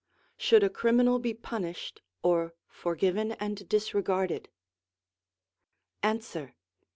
Should a criminal be punished, or forgiven and disregarded ? Answer.